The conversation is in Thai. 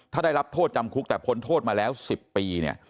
ถ้าได้รับโทษจำคุกแต่ผลโทษมาแล้ว๑๐ปี